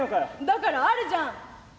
「だからあるじゃん。